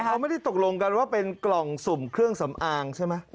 เขาไม่ได้ตกลงกันว่าเป็นกล่องสุ่มเครื่องสำอางใช่ไหม